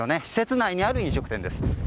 施設内にある飲食店です。